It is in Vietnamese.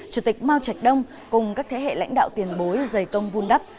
chủ tịch mao trạch đông cùng các thế hệ lãnh đạo tiền bối dày công vun đắp